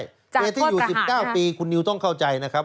จากโทษสหารตัวเองที่อยู่๑๙ปีคุณนิวต้องเข้าใจนะครับ